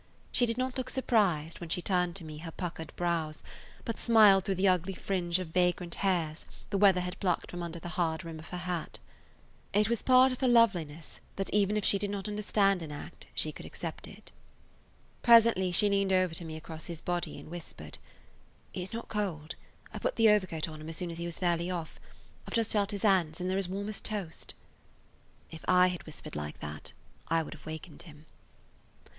She did not look surprised when she turned to me her puckered brows, but smiled through the ugly fringe of vagrant [Page 144] hairs the weather had plucked from under the hard rim of her hat. It was part of her loveliness that even if she did not understand an act she could accept it. Presently she leaned over to me across his body and whispered: "He 's not cold. I put the overcoat on him as soon as he was fairly off. I 've just I felt his hands, and they 're as warm as toast." If I had whispered like that I would have wakened him.